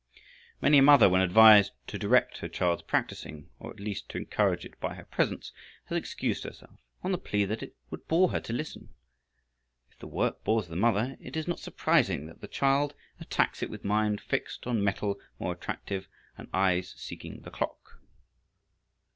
Many a mother when advised to direct her child's practicing, or at least to encourage it by her presence, has excused herself on the plea that it would bore her to listen. If the work bores the mother it is not surprising that the child attacks it with mind fixed on metal more attractive and eyes seeking the clock.